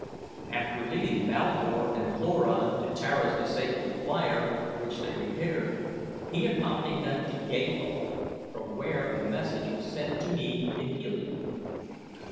"After leading Val Dor and Floran to Tara's disabled flier which they repaired, he accompanied them to Gathol from where a message was sent to me in Helium.